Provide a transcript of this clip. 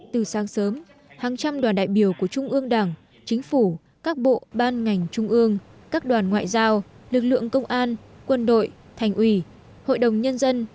từ sáng sớm hàng trăm đoàn đại biểu của trung ương đảng chính phủ các bộ ban ngành trung ương các đoàn ngoại giao lực lượng công an quân đội thành ủy hội đồng nhân dân